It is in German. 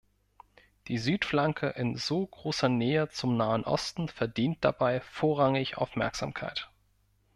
Die Südflanke in so großer Nähe zum Nahen Osten verdient dabei vorrangig Aufmerksamkeit.